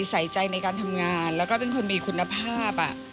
ใส่ใจในการทำงานแล้วก็เป็นคนมีคุณภาพ